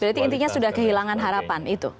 berarti intinya sudah kehilangan harapan itu